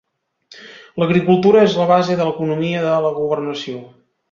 L'agricultura és la base de l'economia de la governació.